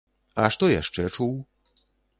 А што яшчэ чуў?